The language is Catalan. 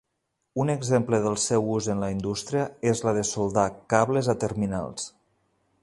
Un exemple del seu ús en la indústria és la de soldar cables a terminals.